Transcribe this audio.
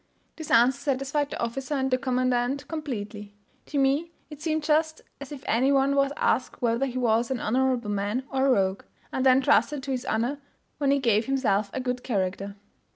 This answer satisfied the officer and the commandant completely. To me it seemed just as if any one was asked whether he was an honourable man or a rogue, and then trusted to his honour when he gave himself a good character.